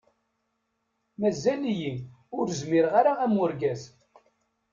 Mazal-iyi ur zmireɣ ara am urgaz.